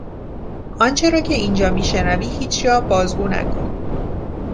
آنچه را که اینجا میشنوی هیچجا بازگو نکن.